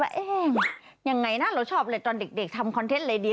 ยังไงนะเราชอบเลยตอนเด็กทำคอนเทนต์อะไรดี